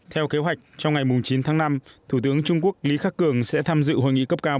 theo kế hoạch trong ngày chín tháng năm thủ tướng trung quốc lý khắc cường sẽ tham dự hội nghị cấp cao